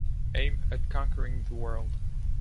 Aim at conquering the world.